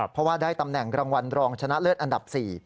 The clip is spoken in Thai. เพราะว่าได้ตำแหน่งรางวัลรองชนะเลิศอันดับ๔